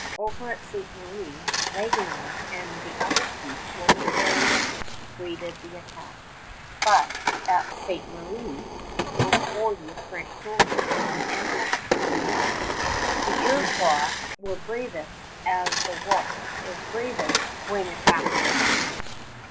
Over at Ste. Marie, Ragueneau and the other priests momentarily awaited the attack; but at Ste. Marie were forty French soldiers and ample supply of muskets. The Iroquois was bravest as the wolf is bravest when attacking a lamb.